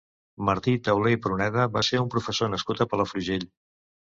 Martí Tauler i Pruneda va ser un professor nascut a Palafrugell.